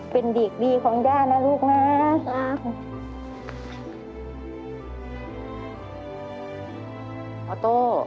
เป็นเด็กดีของย่านะลูกนะรัก